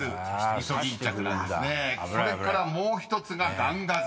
［それからもう１つが「ガンガゼ」］